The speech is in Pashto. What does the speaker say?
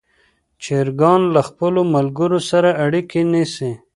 چرګان له خپلو ملګرو سره اړیکه نیسي.